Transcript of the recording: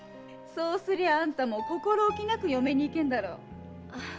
そうすりゃあんたも心置きなく嫁に行けるだろう。